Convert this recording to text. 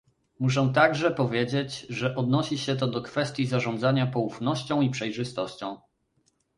Muszę także powiedzieć, że odnosi się to do kwestii zarządzania poufnością i przejrzystością